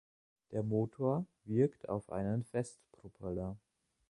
Der Motor wirkt auf einen Festpropeller.